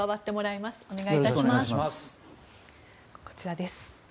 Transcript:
こちらです。